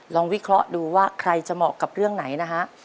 วิเคราะห์ดูว่าใครจะเหมาะกับเรื่องไหนนะฮะ